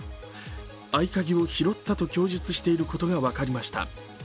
合鍵を拾ったと供述していることが分かりました。